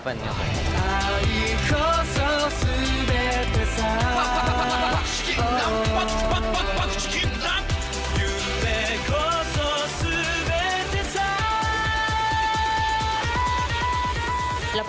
แล้วก็อยู่ที่ไหนครับ